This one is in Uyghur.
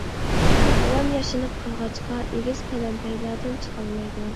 بوۋام ياشىنىپ قالغاچقا، ئېگىز پەلەمپەيلەردىن چىقالمايدۇ.